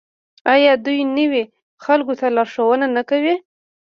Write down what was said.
آیا دوی نویو خلکو ته لارښوونه نه کوي؟